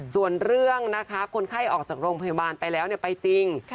ส่วนเรื่องนะคะคนไข้ออกจากโรงพยาบาลไปแล้วไปจริง